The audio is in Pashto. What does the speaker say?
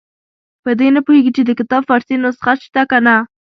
په دې نه پوهېږي چې د کتاب فارسي نسخه شته که نه.